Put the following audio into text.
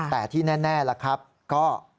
แต่ที่แน่ล่ะครับก็